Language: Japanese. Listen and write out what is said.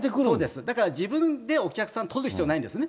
自分でお客さん取る必要ないんです。